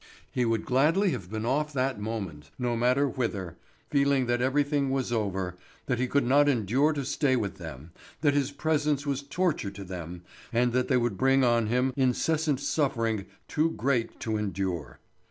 He would gladly have been off that moment, no matter whither, feeling that everything was over, that he could not endure to stay with them, that his presence was torture to them, and that they would bring on him incessant suffering too great to endure.